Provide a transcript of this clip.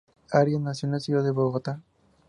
Arias nació en la ciudad de Bogotá.